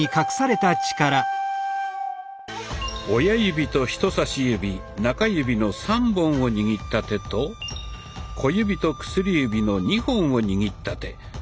親指と人さし指中指の３本を握った手と小指と薬指の２本を握った手。